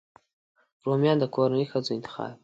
رومیان د کورنۍ ښځو انتخاب وي